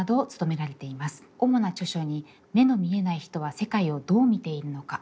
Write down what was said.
主な著書に「目の見えない人は世界をどう見ているのか」